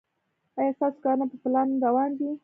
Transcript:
ایا ستاسو کارونه په پلان روان دي؟